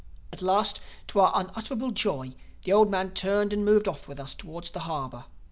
"At last, to our unutterable joy, the old man turned and moved off with us towards the harbor.